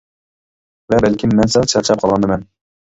ۋە بەلكىم مەن سەل چارچاپ قالغاندىمەن.